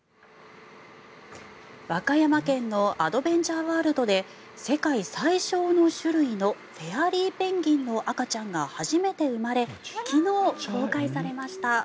和歌山県のアドベンチャーワールドで世界最小の種類のフェアリーペンギンの赤ちゃんが初めて生まれ昨日、公開されました。